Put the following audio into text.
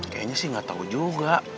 kayaknya sih gak tau juga